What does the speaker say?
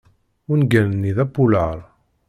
Ungal-nni d apulaṛ.